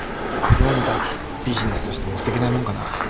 どうにかビジネスとして持っていけないもんかなぁ。